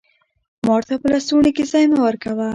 مار ته په لستوڼي کي ځای مه ورکوه!